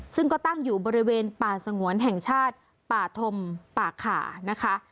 ซึ่งก็ตั้งอยู่บริเวณป่าสงวนแห่งชาติป่าธมป่าขานะคะ